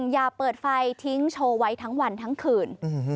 อย่าเปิดไฟทิ้งโชว์ไว้ทั้งวันทั้งคืน